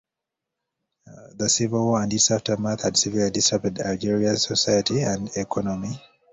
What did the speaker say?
The civil war and its aftermath had severely disrupted Algeria's society and economy.